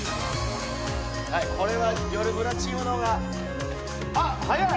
これはよるブラチームのほうがあっ早い！